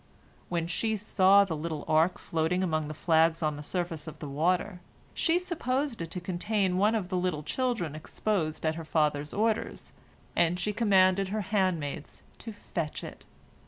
When she saw the little ark floating among the flags on the surface of the water, she supposed it to contain one of the little children exposed at her father's order, and she commanded her handmaids to fetch it.